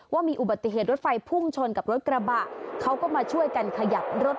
ว่ามีอุบัติเหตุรถไฟพุ่งชนกับรถกระบะเขาก็มาช่วยกันขยับรถ